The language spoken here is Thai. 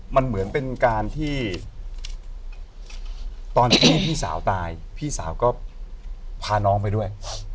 มันเหมือนเป็นการที่ตอนที่พี่สาวตายพี่สาวก็พาน้องไปด้วย